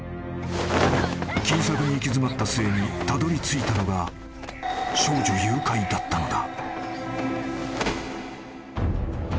［金策に行き詰まった末にたどりついたのが少女誘拐だったのだ］